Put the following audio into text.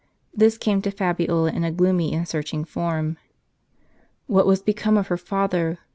This came to Fabiola in a gloomy and searching form. "What was become of her father?